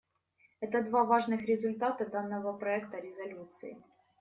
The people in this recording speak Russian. Это два важных результата данного проекта резолюции.